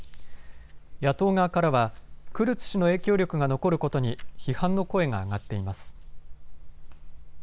野党側からはクルツ氏の影響力が残ることに批判の声が上がっています。